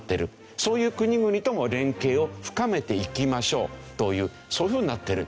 そういう国々とも連携を深めていきましょうというそういうふうになってる。